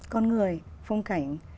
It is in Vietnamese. con người phong cảnh